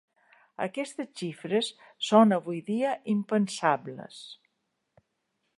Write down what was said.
Aquestes xifres són avui dia impensables.